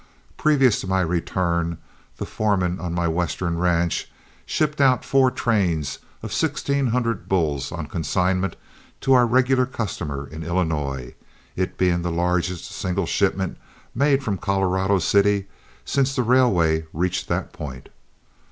Previous to my return, the foreman on my Western ranch shipped out four trains of sixteen hundred bulls on consignment to our regular customer in Illinois, it being the largest single shipment made from Colorado City since the railway reached that point.